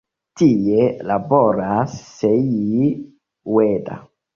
Tie laboras Seiji Ueda.